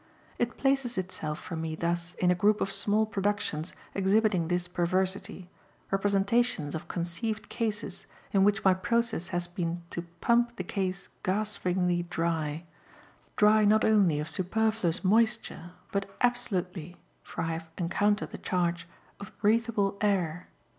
It places itself for me thus in a group of small productions exhibiting this perversity, representations of conceived cases in which my process has been to pump the case gaspingly dry, dry not only of superfluous moisture, but absolutely (for I have encountered the charge) of breathable air.